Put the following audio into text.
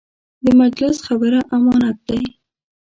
د مجلس خبره امانت دی.